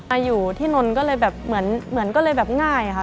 อายุที่นนท์ก็เลยแบบเหมือนก็เลยแบบง่ายค่ะ